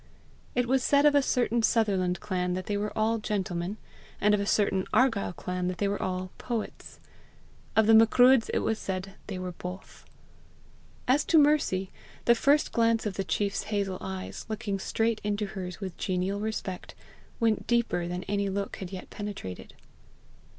It was said of a certain Sutherland clan that they were all gentlemen, and of a certain Argyll clan that they were all poets; of the Macruadhs it was said they were both. As to Mercy, the first glance of the chiefs hazel eyes, looking straight into hers with genial respect, went deeper than any look had yet penetrated.